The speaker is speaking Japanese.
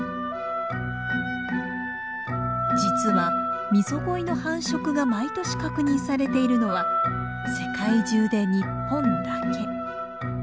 実はミゾゴイの繁殖が毎年確認されているのは世界中で日本だけ。